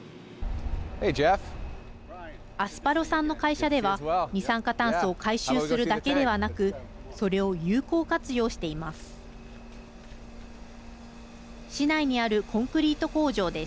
アスパロさんの会社では二酸化炭素を回収するだけではなくそれを有効活用しています。